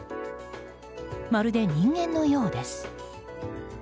まるで人間のようです。